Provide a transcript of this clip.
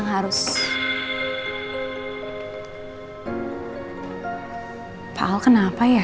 daripada kena bentak